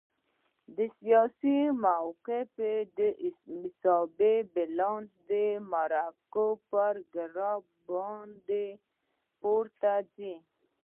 د سیاسي موقف د محاسبې بیلانس د مرګونو پر ګراف باندې پورته ځي.